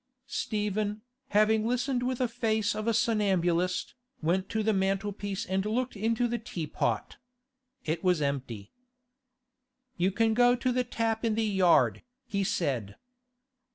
Stephen, having listened with a face of a somnambulist, went to the mantel piece and looked into the teapot. It was empty. 'You can go to the tap in the yard,' he said.